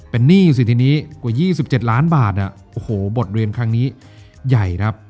เป็นหนี้สิทีนี้กว่า๒๗ล้านบาทโอ้โหบทเรียนครั้งนี้ใหญ่ครับ